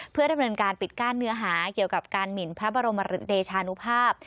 เพื่อดำเนินการปิดกั้นเนื้อหาเกี่ยวกับการหมินพระบรมเดชานุภาพ